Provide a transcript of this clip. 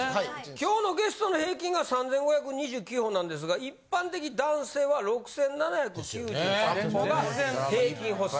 今日のゲストの平均が３５２９歩なんですが一般的男性は６７９３歩が平均歩数。